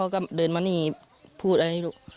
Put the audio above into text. พ่อก็เดินมานี่พูดอะไรให้ลูก